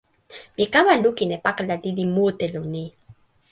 mi kama lukin e pakala lili mute lon ni.